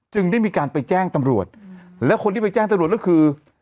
ได้มีการไปแจ้งตำรวจแล้วคนที่ไปแจ้งตำรวจก็คือ